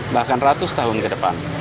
bahkan ratus tahun ke depan